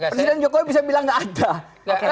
presiden jokowi bisa bilang nggak ada